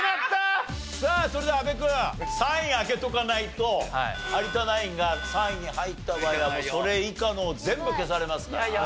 さあそれでは阿部君３位開けとかないと有田ナインが３位に入った場合はもうそれ以下のを全部消されますから。